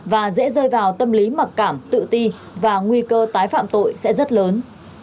và dễ rơi vào tâm lý mặc cảm tự ti và nguy cơ tái phạm tội sẽ rất lớn